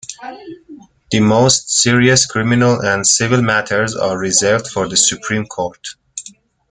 The most serious criminal and civil matters are reserved for the Supreme Court.